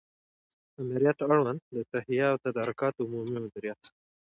آمریت اړوند د تهیه او تدارکاتو عمومي مدیریت